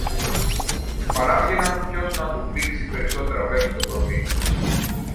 παράβγαιναν ποιος να του μπήξει περισσότερα βέλη στο κορμί.